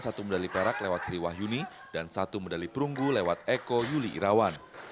satu medali perak lewat sri wahyuni dan satu medali perunggu lewat eko yuli irawan